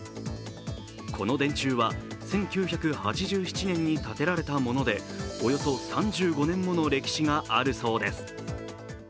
この電柱は１９８７年に立てられたもので、およそ３５年もの歴史があるそうです。